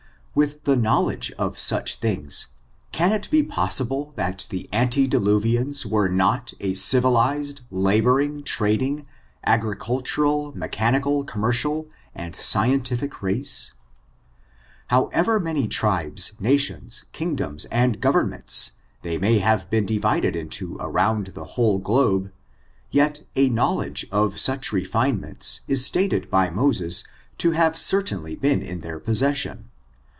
With the knowledge of such things, can it be pos sible that the antediluvians were not a civilized, la boring, trading, agricultural, mechanical, commefcial, and scientific race ? However many tribes, natiimiv kingdoms, and governments, they may have been divided into around the whole globe, yet a know)* edge of such refinements is stated by Moses to ha^e certainly been in their possession.